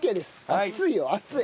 熱いよ熱い！